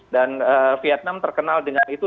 dan vietnam terkenal dengan itu